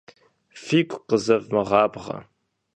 Фигу къызэвмыгъабгъэ.